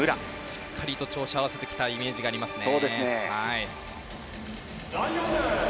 しっかりと調子を合わせてきたイメージありますね。